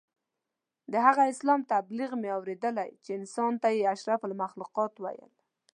د هغه اسلام تبلیغ مې اورېدلی چې انسان ته یې اشرف المخلوقات ویل.